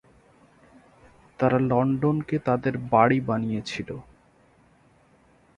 তারা লন্ডনকে তাদের বাড়ি বানিয়েছিল।